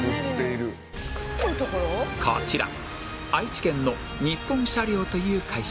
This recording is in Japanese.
こちら愛知県の日本車両という会社